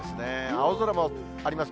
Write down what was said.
青空もあります。